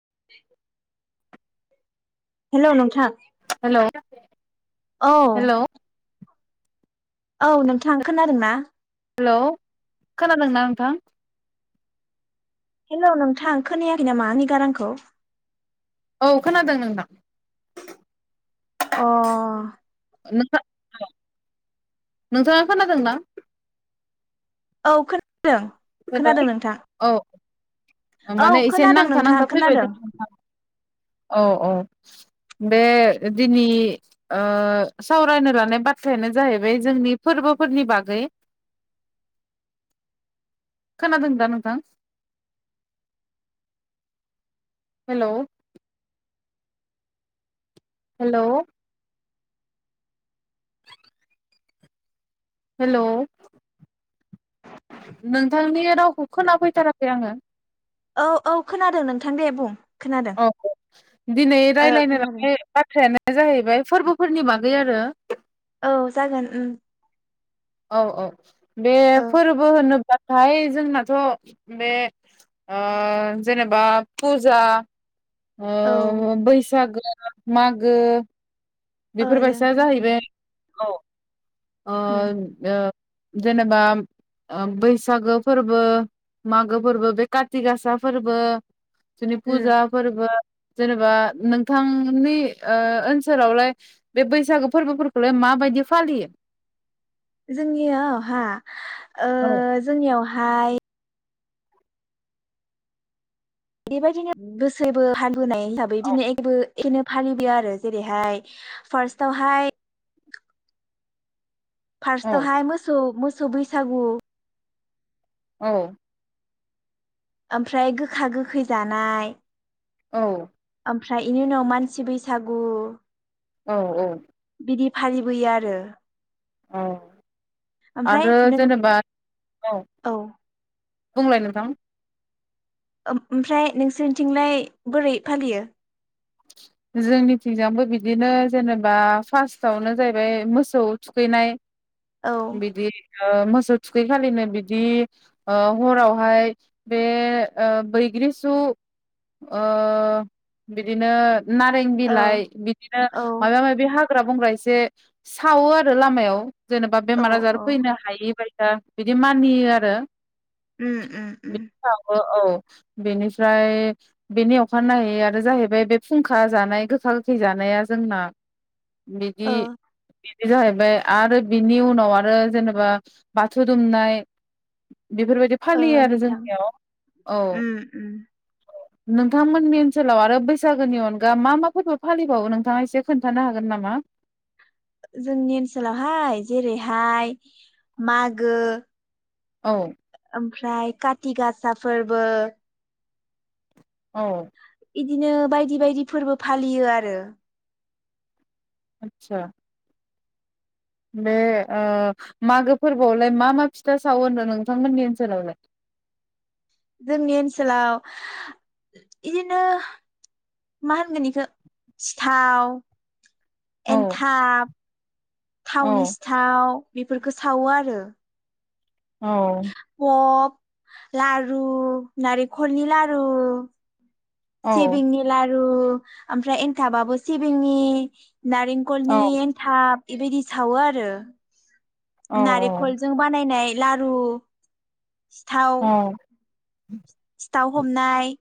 [unintelligible] हेल नोंथां। हेल औ हेल औ नोंथां खोनादों ना? हेल खोनादोंना नोंथां? हेल नोंथां खोनायाखै नामा आंनि गारांखौ? औ खोनादों नोंथां? अ [unintelligible] नोंथां नोंथाङा खोनादोंना? औ खोना दों खोनादों नोंथां। ओ औ माने एसे खोनादों नांथा नोंथां नांथा फैबाय खोनादों दों [unintelligible] औ औ बे दिनै ओ सावरायनो लानाय बाथ्रायानो जाहैबाय जोंनि फोरबोफोरनि बागै खोनादों दा नोंथां? हेल' हेल' [inaudible] हेलौ नोंथांनि रावखौ खोनाफैथाराखै आङो। औ औ खोनादों नोंथां दे बुं? खोनादों औ दिनै ओ रायलायनो खोनादों नालाय बाथ्रायानो जाहैबाय फोर्बोफोरनि बागै आरो औ जागोन उम औ औ बे ओ फोरबो होनो नाथाय जोंनाथ' बे ओ जेनेबा पुजा औ ओ बैसागो ओ मागो ओ बेफोरबायसा नोंथां उम जाहैबाय। औ ओ उम ओ जेनेबा ओ बैसागो फोर्बो मागो फोर्बो बे काथि गासा फोर्बो जोंनि उम फुजा फोर्बो जेनेबा नोंथांनि ओ ओनसोलावलाय बे बैसागु फोर्बोफोरखौलाय माबायदि फालियो? जोंनियाव हा ओ औ जोंनियाव हाय बेबायदिनो गोसैबो फाल बोनाय हिसाबै दिनै एबो एनो फालिदो आरो जेरैहाय फार्स्टआवहाय फार्स्ट औ थावहाय मोसौ मो सौ बैसागु औ ओमफ्राय गोखा गोखै जानाय औ ओमफ्राय इनि उनाव मानसि बैसागु औ औ बिदि फालिबोयो आरो। औ ओमफ्राय आरो नों जेनेबा औ बुंलाय नोंथां। ओमफ्राय नोंसोरनिथिंलाय बोरै फालियो। जोंनिथिंजाबो बिदिनो जेनेबा फार्स्टावनो जाहैबाय मोसौ थुखैनाय। औ बिदि। ओ मोसौ थुखैखालिनो बिदि ओ हरावहाय बे ओ बैग्रिसु ओ बिदिनो। नारें औ बिलाइ बिदिनो औ माबा माबि हा हाग्रा बंग्रा एसे सावो आरो लामायाव। जेनेबा औ बेमार आजार औ फैनो हायि दा बिदि मानियो आरो। उम उम उम। सावो औ बेनिफ्राय बेनि अखानायै आरो जाहैबाय बे। फुंखा जानाय गोखा गोखै जानाया जोंना। बिदि। ओ बे जाहैबाय आरो बिनि उनाव आरो जेनेबा बाथौ दुमनाय। बेफोरबायदि ओ फालियो आरो नोंथां जोंनियाव औ उम उम औ। नोंथांमोननि ओनसोलाव आरो बे सागोनि अनगा मा मा फोरबो फालिबावो नोंथाङा एसे खोन्थानो हागोन नामा। जोंनि ओनसोलावहाय जेरैहाय मागो। औ। ओमफ्राय काथि गासा फोरबो। औ। इदिनो बायदि बायदि फोरबो फालियो आरो। आतसा। बे ओ मागो फोरबोआवलाय मा मा फिथा सावो होनदों नोंथांमोननि ओनसोलावलाय। जोंनि ओनसोलाव इदिनो मा होनगोन इखो सिथाव। औ एन्थाब। थावनि औ सिथाव। बेफोरखो सावो आरो। औ अ। लारु नारेखलनि लारु। औ सिबिंनि लारु। ओमफ्राय एन्थाबाबो सिबिंनि। नारेंखलनि औ एन्थाब। बेबायदि सावो आरो। औ नारेंखलजों बानायनाय। लारु। औ सिथाव [inaudible] दाव हमनाय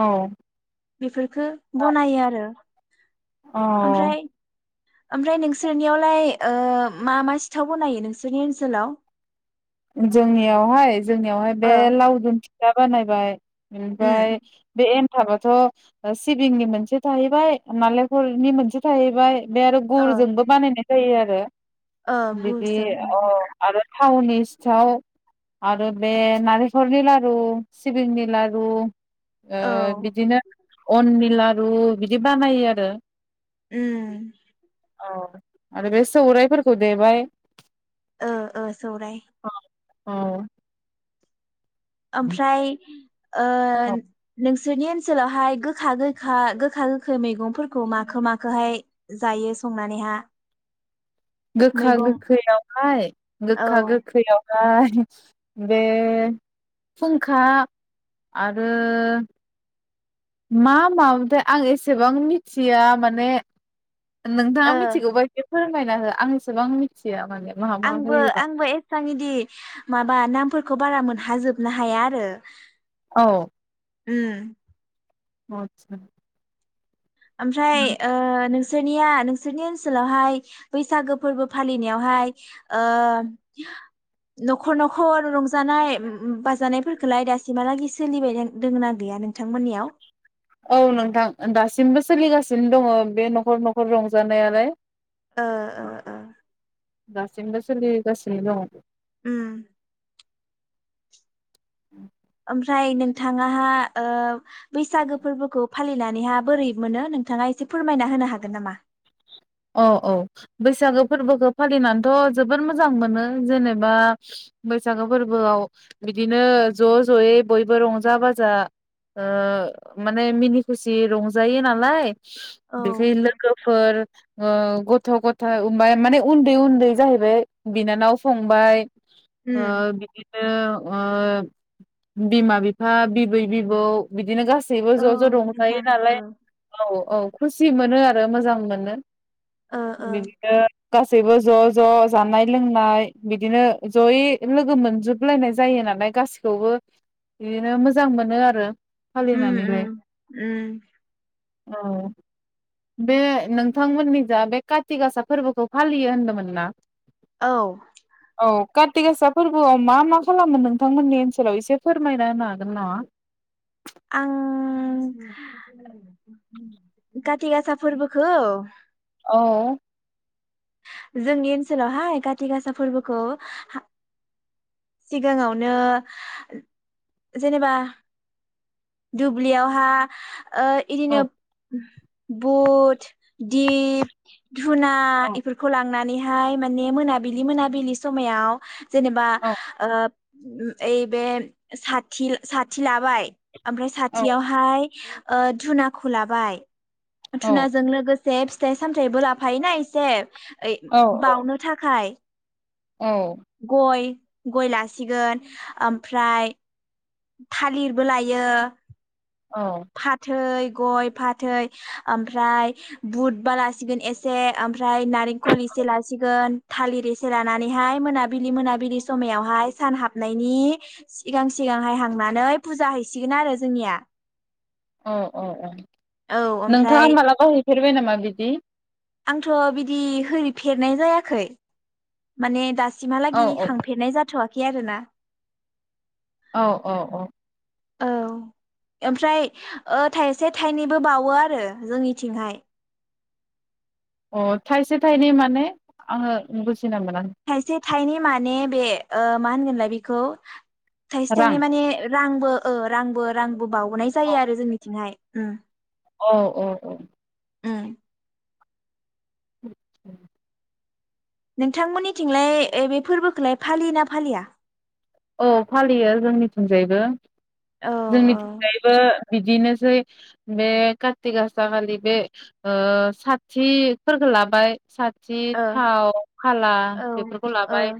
औ बिफोर खो बनायो आरो अ ओमफ्राय ओमफ्राय नोंसोरनियावलाय ओ मा मा सिथाव बनायो नोंसोरनि ओनसोलाव जोंनियावहाय जोंनियावहाय बे ओ लावदुम फि दा बानायबाय उम ओमफाय बे थाबाथ' सिबिंनि मोनसे थाहैबाय नालेंखलनि मोनसे थाहैबाय बे आरो ओ गुरजोंबो बानायनाय जायो आरो ओ [unintelligible] बिदि गुरजों अ ओं आरो थावनि थाव आरो बे नारेखलनि लारु सिबिंनि लारु ओ औ बिदिनो अननि लारु बिदि बानायो आरो उम औ आरो बे सौरायाइफोरखौ देबाय ओ ओ सौराय औ ओमफ्राय ओ औ नों सोरनि ओनसोलावहाय गोखा गोखा गोखा गोखै मैगंफोरखौ मखो मखोहाय जायो संनानैहा? गोखा मैगं गोखैयावहाय औ गोखा गोखैआव बे फुंखा आरो मा मामोनथाय आं एसेबां मिथिया माने नोंथाङा ओ मिथिगौबा फोरोंबायना हो आं एसेबां मिथिया माने मा मा आंबो होयोबा आंबो एसां इदि माबा नामफोर खौ बारा मोनहाजोबनो हाया आरो । औ ओम अतसा ओमफ्राय ओ नों नोंसोरनिया नोंसोरनि ओनसोलावहाय बैसागो फोरबो फालिनायावहाय ओ न'खर न'खर रंजानाय बाजानायफोरखौलाय दासिमहालागै सोलिबाय दोङ ना गैया नोंथांमोननियाव औ नोंथां दासिमबो सोलिगासिनो दङ बे न'खर न'खर रंजानायालाय ओ ओ ओ। दासिमबो सोलि गासिनो दङ उम। [unintelligible] ओमफ्राय नोंथाङाहा ओ बैसागो फोरबोखौ फालिनानैहा बोरै मोनो नोंथाङा एसे फोरमायना होनो हागोन नामा? औ औ बैसागो फोरबोखौ फालिनानैथ' जोबोद मोजां मोनो जेनेबा बैसागो फोरबोआव बिदिनो ज' ज'यै बयबो रंजा बाजा ओ माने मिनि खुसि रंजायो नालाय [unintelligible] औ लोगोफोर ओ गथ' गथा उमबाय माने उन्दै उन्दै जाहैबाय बिनानाव फंबाय आ उम बिदिनो। ओ बिमा बिफा बिबै बिबौ बिदिनो गासैबो सैबो औ ज' ज' रंजायो नोंथां नालाय ओ औ औ। खुसि मोनो आरो मोजां मोनो ओ ओ बिदिनो। गासैबो ज' ज' जानाय लोंनाय बिदिनो जयै लोगो मोनजोबलायनाय जायो नालाय गासैखौबो बिदिनो मोजां मोनो आरो। उम फालिनानैलाय उम उम। औ बे नों थांमोननि जा बे काथि गासा फोरबोखौ फालियो होनदोंमोन ना। औ। औ काति गासा फोरबोआव मा मा खालामो नोंथांमोननि ओनसोलाव एसे फोरमायना होनो हागोन नामा। आं खाथि गासा फोरबोखौ औ। जोंनि ओनसोलावहाय काति गासा फोरबोखौ सिगाङावनो जेनेबा दुब्लियावहा ओ इदिनो औ बुट दिप धुना औ इफोरखौ लांनानै हाय माने मोनाबिलि मोनाबिलि समायाव जेनेबा औ ओ ओइ बे साथि साथि लाबाय ओमफ्राय औ साथियावहाय ओ धुनाखौ लाबाय धुनाजों लोगो से फिथाइ सामथायबो लाफायोना एसे ओइ औ बावनो थाखाय औ गय गय लासिगोन ओमफ्राय थालिरबो लायो । फाथै गय फाथै ओमफ्राय बुधबा लासिगोन एसे ओमफ्राय नारेंखल एसे लासिगोन थालिर एसे लानानैहाय मोनाबिलि मोनाबिलि समायावहाय सान हाबनायनि सिगां सिगांहाय हांनानै फुजा हैसिगोन आरो जोंनिया । औ औ औ नोंथाङा ओमफ्राय मालाबा हैफेरबाय नामा बिद दि? आंथ बिदि होरिफेरनाय जायाखै माने औ दासिमहालागि हांफेरनाय जाथ'वा खै आरो ना । औ औ औ । औ ओमफ्राय ओ थाइसे थाइनैबो बावो आरो जोंनिथिंहाय । अ थाइसे थाइनै माने आङो बु जिना मोना थाइसे थाइनै माने बे मा होनगोनलाय बेखौ थाइसे रां थाइनै माने रांबो ओ रांबो रां बो बावनाय जायो आरो जोंनिथिंहाय । उम । औ औ औ । उम । [inaudible] नोंथांमोननि थिंलाय ए बे फोर्बोखौलाय फालियो ना फालिया? औ फालियो जोंनिथिं जायबो औ जोंनिथिं जायबो बिदिनोसै बे कार्तिक आसा खालि बे ओ साथिफोरखो लाबाय साथि ओ थाव फाला औ बेफोरखौ ओ लाबाय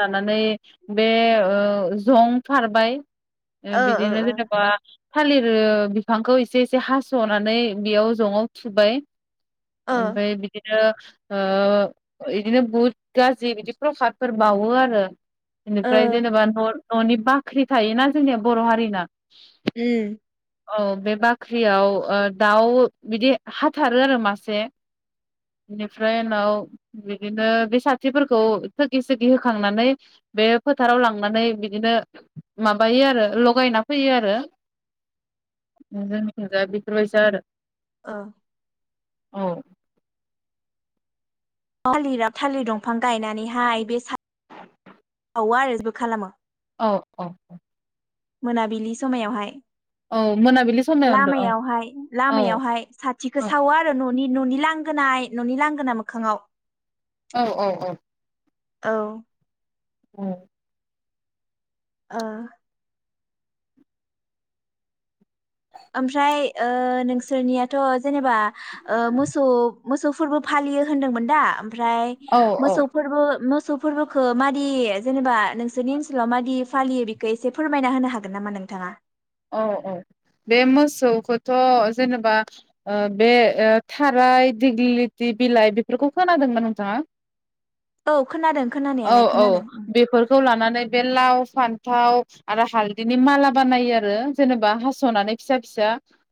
लानानै बे ओ जं फारबाय ओ बिदिनो जेनबा थालिर बिफांखौ एसे एसे हास'नानै बेयाव ज'ङाव थुबाय ओ ओमफाय बिदिनो ओ इदिनो बहुद गाजि बिदि प्रसादफोर बावो आरो । एनिफ्राय जेनेबा नर न'नि बाख्रि थायोना जोंनिया बर' हारिना उम । औ बे बाख्रियाव ओ दाउ बिदि हाथारो आरो मासे बेनिफ्राय उनाव बिदिनो बे साथिफोरखौ थोखि सोगि होखांनानै बे फोथाराव लांनानै बिदिनो माबायो आरो लगायना फैयो आरो जोंनि थिंजाय बेफोरबायसा आरो । ओ औ थालिरा थालिर दंफां गायनानैहाय बे सा औवा आरि ज' खालामो औ औ औ मोनाबिलि समायावहाय औ मोनाबिलि समायावनोथ' औ लामायावहाय औ लामायावहाय साथिखौ सावो आरो न नि न'नि लांगोनाय न'नि लांगोना मोखाङाव औ औ औ औ ओं अ ओमफ्राय ओ नोंसोरनियाथ' जेनेबा ओ मोसौ मोसौ फोरबो फालियो होनदोंमोन दा? ओमफ्राय औ औ मोसौ फोरबो मोसौ फोरबोखो मादि जेनेबा नोंसोरनि ओनसोलाव मादि फालियो बेखो एसे फोरमायना होनो हागोन नामा नोंथाङा? औ औ बे मोसौखोथ' जेनेबा ओ बे थाराय दिग्लिथि बिलाइ बेफोरखौ खोनादोंमोन नोंथाङा? औ खोनादों औ खोनानायालाय औ खोनादों उम बेफोरखौ लानानै बे लाव फान थाव आरो हालदिनि माला बानायो आरो जेनेबा हास'नानै फिसा फिसा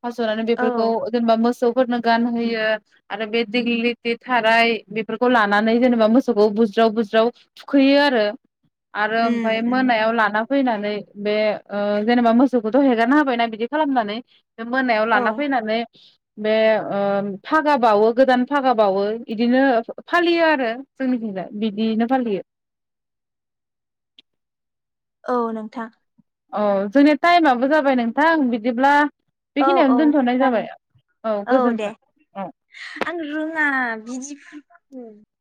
हास'नानै औ बेफोरखौ जेनेबा मोसौ फोरनो गानहोयो आरो बे दिग्लिटि थाराय बेफोरखौ लानानै जेनेबा मोसौखौ बुज्राव बुज्राव थुखैयो आरो आरो उम ओमफ्राय उम मोनायाव लाना फैनानै बे ओ जेनेबा मोसौ बिफोरखौथ' हेगारना होबायना बिदि खालामनानै मोनायाव औ लाना फैनानै बे ओ फागा बावो गोदान फागा बावो इदिनो फालियो आरो जोंनिथिं बिदिनो फालियो औ नोंथां अ जोंनिया टाइमाबो जाबाय नोंथां बिदिब्ला औ औ बेखिनियावनो दोनथ'नाय जाबाय जागोन औ दे गोजोन्थों औ आं रोङा बिदि खा उम